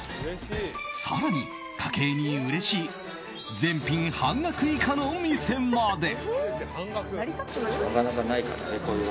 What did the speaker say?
更に、家計にうれしい全品半額以下の店まで。